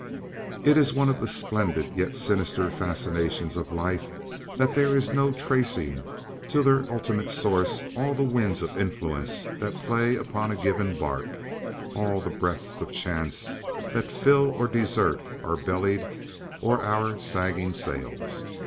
It is one of the splendid yet sinister fascinations of life that there is no tracing to their ultimate sources all the winds of influence that play upon a given barque—all the breaths of chance that fill or desert our bellied or our sagging sails.